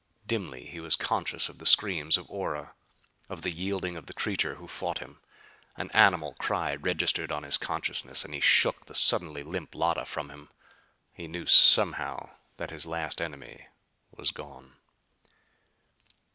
Dimly he was conscious of the screams of Ora; of the yielding of the creature who fought him. An animal cry registered on his consciousness and he shook the suddenly limp Llotta from him. He knew somehow that his last enemy was gone.